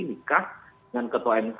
nikah dengan ketua mk